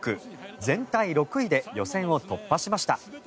全体６位で予選を突破しました。